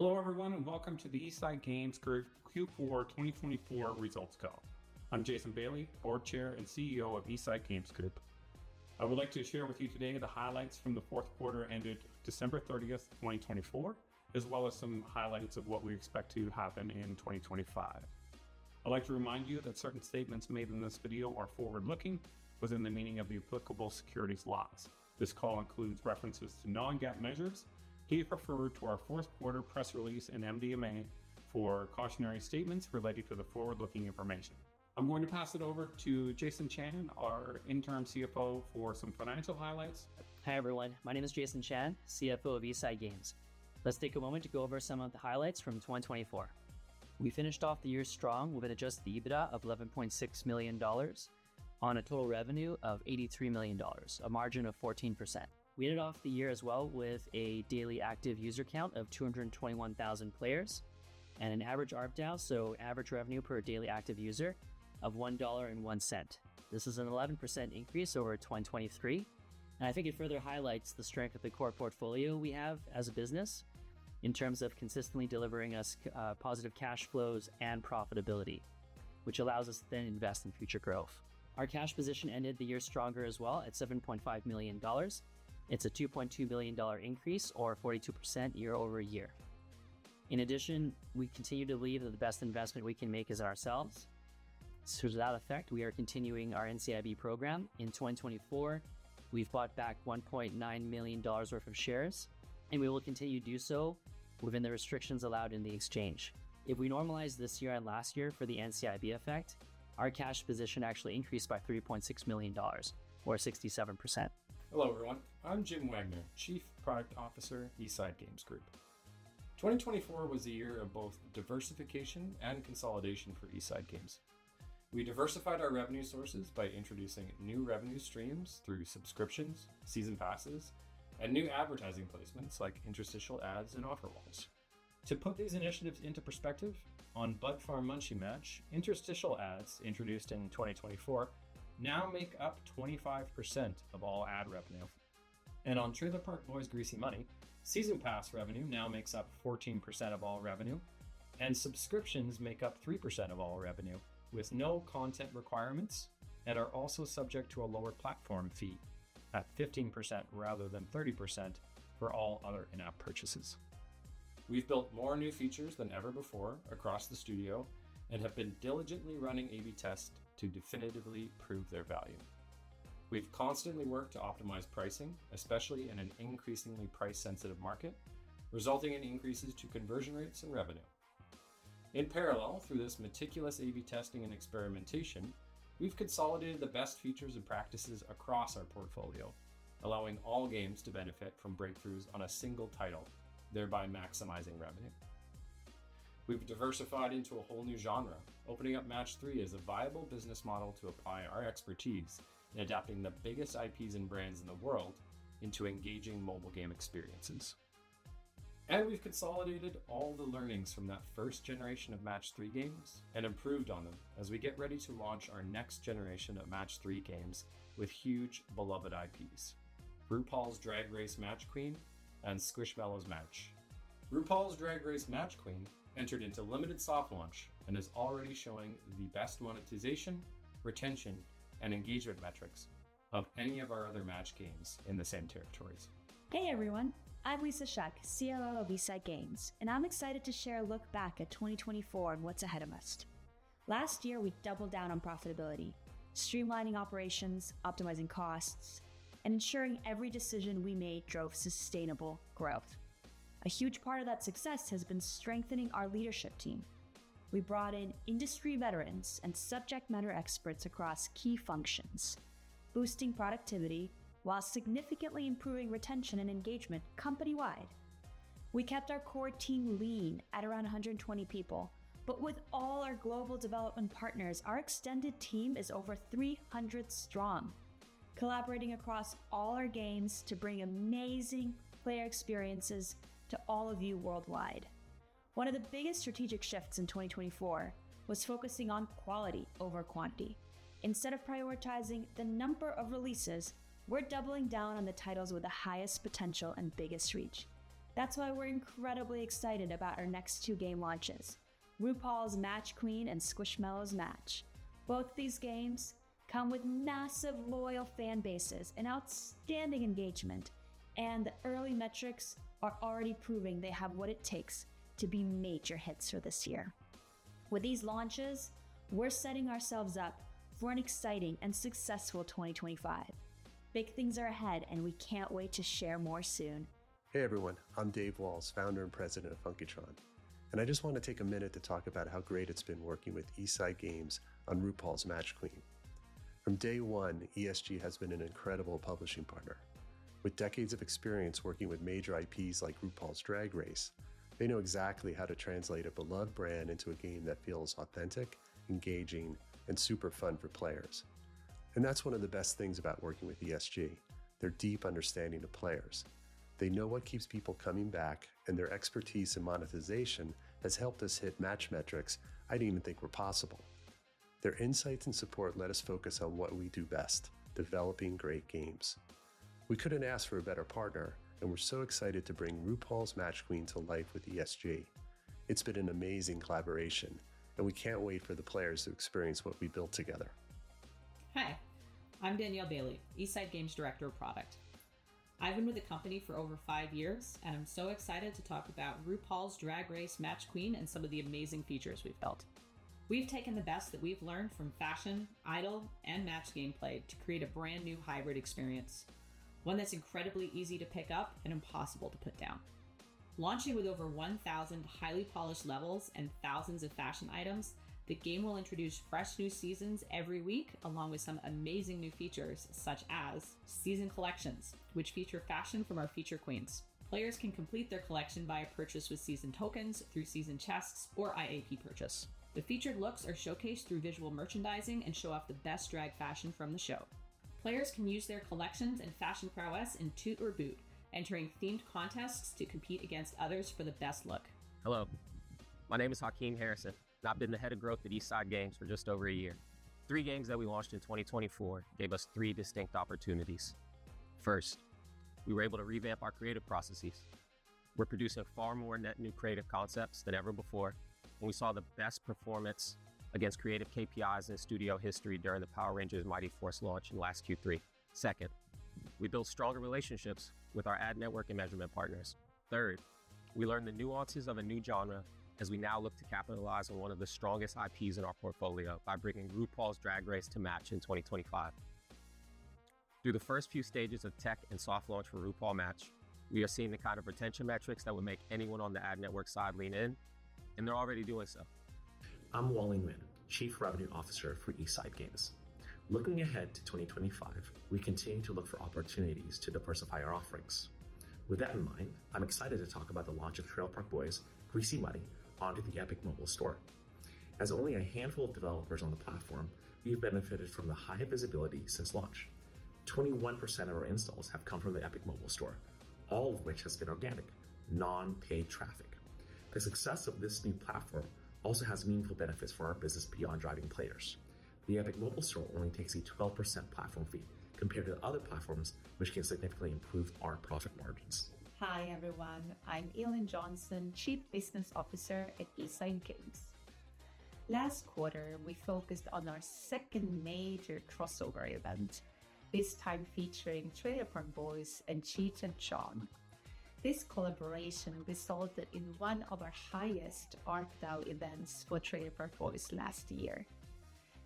Hello, everyone, and welcome to the East Side Games Group Q4 2024 results call. I'm Jason Bailey, Board Chair and CEO of East Side Games Group. I would like to share with you today the highlights from the fourth quarter ended December 30th, 2024, as well as some highlights of what we expect to happen in 2025. I'd like to remind you that certain statements made in this video are forward-looking within the meaning of the applicable securities laws. This call includes references to non-GAAP measures. Please refer to our fourth quarter press release and MD&A for cautionary statements related to the forward-looking information. I'm going to pass it over to Jason Chan, our Interim CFO, for some financial highlights. Hi, everyone. My name is Jason Chan, CFO of East Side Games. Let's take a moment to go over some of the highlights from 2024. We finished off the year strong with an adjusted EBITDA of $11.6 million on a total revenue of $83 million, a margin of 14%. We ended off the year as well with a daily active user count of 221,000 players and an average ARPDAU, so average revenue per daily active user, of $1.01. This is an 11% increase over 2023, and I think it further highlights the strength of the core portfolio we have as a business in terms of consistently delivering us positive cash flows and profitability, which allows us to then invest in future growth. Our cash position ended the year stronger as well at $7.5 million. It's a $2.2 million increase, or 42% year over year. In addition, we continue to believe that the best investment we can make is in ourselves. To that effect, we are continuing our NCIB program. In 2024, we've bought back $1.9 million worth of shares, and we will continue to do so within the restrictions allowed in the exchange. If we normalize this year and last year for the NCIB effect, our cash position actually increased by $3.6 million, or 67%. Hello, everyone. I'm Jim Wagner, Chief Product Officer, East Side Games Group. 2024 was a year of both diversification and consolidation for East Side Games. We diversified our revenue sources by introducing new revenue streams through subscriptions, season passes, and new advertising placements like interstitial ads and offer walls. To put these initiatives into perspective, on Bud Farm: Munchie Match, interstitial ads introduced in 2024 now make up 25% of all ad revenue. On Trailer Park Boys: Greasy Money, season pass revenue now makes up 14% of all revenue, and subscriptions make up 3% of all revenue with no content requirements and are also subject to a lower platform fee at 15% rather than 30% for all other in-app purchases. We've built more new features than ever before across the studio and have been diligently running A/B tests to definitively prove their value. We've constantly worked to optimize pricing, especially in an increasingly price-sensitive market, resulting in increases to conversion rates and revenue. In parallel, through this meticulous A/B testing and experimentation, we've consolidated the best features and practices across our portfolio, allowing all games to benefit from breakthroughs on a single title, thereby maximizing revenue. We have diversified into a whole new genre, opening up Match 3 as a viable business model to apply our expertise in adapting the biggest IPs and brands in the world into engaging mobile game experiences. We have consolidated all the learnings from that first generation of Match 3 games and improved on them as we get ready to launch our next generation of Match 3 games with huge, beloved IPs: RuPaul's Drag Race: Match Queen and Squishmallows Match. RuPaul's Drag Race: Match Queen entered into limited soft launch and is already showing the best monetization, retention, and engagement metrics of any of our other Match games in the same territories. Hey, everyone. I'm Lisa Shek, COO of East Side Games, and I'm excited to share a look back at 2024 and what's ahead of us. Last year, we doubled down on profitability, streamlining operations, optimizing costs, and ensuring every decision we made drove sustainable growth. A huge part of that success has been strengthening our leadership team. We brought in industry veterans and subject matter experts across key functions, boosting productivity while significantly improving retention and engagement company-wide. We kept our core team lean at around 120 people, but with all our global development partners, our extended team is over 300 strong, collaborating across all our games to bring amazing player experiences to all of you worldwide. One of the biggest strategic shifts in 2024 was focusing on quality over quantity. Instead of prioritizing the number of releases, we're doubling down on the titles with the highest potential and biggest reach. That's why we're incredibly excited about our next two game launches, RuPaul's Drag Race: Match Queen and Squishmallows Match. Both of these games come with massive loyal fan bases and outstanding engagement, and the early metrics are already proving they have what it takes to be major hits for this year. With these launches, we're setting ourselves up for an exciting and successful 2025. Big things are ahead, and we can't wait to share more soon. Hey, everyone. I'm Dave Walls, founder and president of Funkitron, and I just want to take a minute to talk about how great it's been working with East Side Games on RuPaul's Match Queen. From day one, ESG has been an incredible publishing partner. With decades of experience working with major IPs like RuPaul's Drag Race, they know exactly how to translate a beloved brand into a game that feels authentic, engaging, and super fun for players. That is one of the best things about working with ESG: their deep understanding of players. They know what keeps people coming back, and their expertise in monetization has helped us hit match metrics I didn't even think were possible. Their insights and support let us focus on what we do best: developing great games. We couldn't ask for a better partner, and we're so excited to bring RuPaul's Drag Race: Match Queen to life with East Side Games Group. It's been an amazing collaboration, and we can't wait for the players to experience what we built together. Hi, I'm Danielle Bailey, East Side Games Director of Product. I've been with the company for over five years, and I'm so excited to talk about RuPaul's Drag Race: Match Queen and some of the amazing features we've built. We've taken the best that we've learned from fashion, idle, and match gameplay to create a brand new hybrid experience, one that's incredibly easy to pick up and impossible to put down. Launching with over 1,000 highly polished levels and thousands of fashion items, the game will introduce fresh new seasons every week, along with some amazing new features such as season collections, which feature fashion from our feature queens. Players can complete their collection via purchase with season tokens, through season chests, or IAP purchase. The featured looks are showcased through visual merchandising and show off the best drag fashion from the show. Players can use their collections and fashion prowess in Toot or Boot, entering themed contests to compete against others for the best look. Hello. My name is Hakeem Harrison, and I've been the Head of Growth at East Side Games Group for just over a year. Three games that we launched in 2024 gave us three distinct opportunities. First, we were able to revamp our creative processes. We're producing far more net new creative concepts than ever before, and we saw the best performance against creative KPIs in studio history during the Power Rangers Mighty Force launch in last Q3. Second, we built stronger relationships with our ad network and measurement partners. Third, we learned the nuances of a new genre as we now look to capitalize on one of the strongest IPs in our portfolio by bringing RuPaul's Drag Race: Match Queen in 2025. Through the first few stages of tech and soft launch for RuPaul Match, we are seeing the kind of retention metrics that would make anyone on the ad network side lean in, and they're already doing so. I'm Wally Nguyen, Chief Revenue Officer for East Side Games. Looking ahead to 2025, we continue to look for opportunities to diversify our offerings. With that in mind, I'm excited to talk about the launch of Trailer Park Boys: Greasy Money onto the Epic Mobile Store. As only a handful of developers on the platform, we've benefited from the high visibility since launch. 21% of our installs have come from the Epic Mobile Store, all of which has been organic, non-paid traffic. The success of this new platform also has meaningful benefits for our business beyond driving players. The Epic Mobile Store only takes a 12% platform fee compared to other platforms, which can significantly improve our profit margins. Hi, everyone. I'm Elin Jonsson, Chief Business Officer at East Side Games. Last quarter, we focused on our second major crossover event, this time featuring Trailer Park Boys and Cheech & Chong. This collaboration resulted in one of our highest ARPDAU events for Trailer Park Boys last year.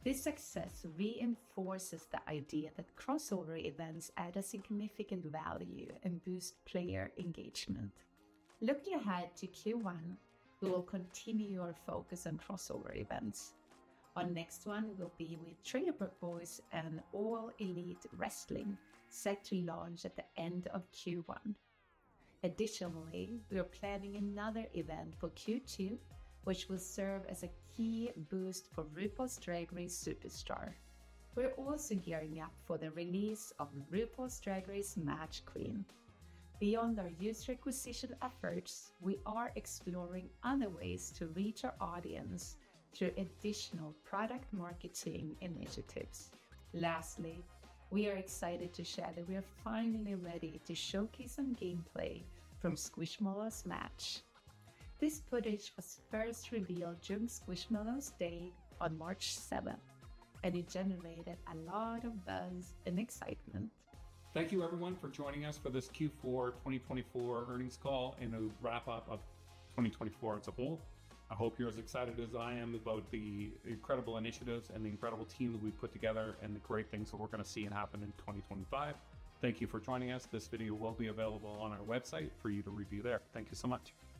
This success reinforces the idea that crossover events add a significant value and boost player engagement. Looking ahead to Q1, we will continue our focus on crossover events. Our next one will be with Trailer Park Boys and All Elite Wrestling, set to launch at the end of Q1. Additionally, we are planning another event for Q2, which will serve as a key boost for RuPaul's Drag Race Superstar. We're also gearing up for the release of RuPaul's Drag Race: Match Queen. Beyond our user acquisition efforts, we are exploring other ways to reach our audience through additional product marketing initiatives. Lastly, we are excited to share that we are finally ready to showcase some gameplay from Squishmallows Match. This footage was first revealed during Squishmallows Day on March 7, and it generated a lot of buzz and excitement. Thank you, everyone, for joining us for this Q4 2024 earnings call and a wrap-up of 2024 as a whole. I hope you're as excited as I am about the incredible initiatives and the incredible team that we've put together and the great things that we're going to see happen in 2025. Thank you for joining us. This video will be available on our website for you to review there. Thank you so much.